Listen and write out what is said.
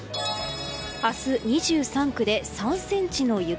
明日、２３区で３ｃｍの雪。